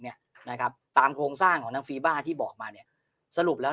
เนี้ยนะครับตามโครงสร้างของทางฟีบ้าที่บอกมาเนี้ยสรุปแล้ว